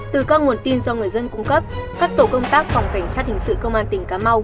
từ các nguồn tin do người dân cung cấp các tổ công tác phòng cảnh sát hình sự công an tỉnh cà mau